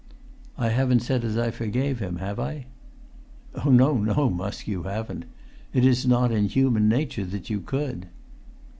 "I haven't said as I forgave him, have I?" "No, no, Musk, you haven't; it is not in human nature that you could."